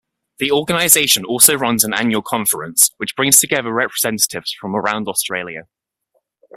The organisation also runs an annual Conference, which brings together representatives from around Australia.